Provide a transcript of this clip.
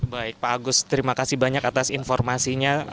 baik pak agus terima kasih banyak atas informasinya